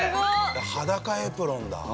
裸エプロンだ。